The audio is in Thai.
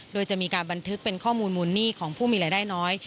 โดยจะมีการบันทึกเป็นข้อมูลมูลหนี้ของผู้มีรายได้น้อย